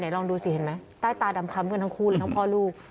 ลองดูสิเห็นไหมใต้ตาดำคล้ำกันทั้งคู่เลยทั้งพ่อลูก